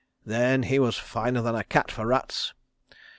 Then he was finer than a cat for rats.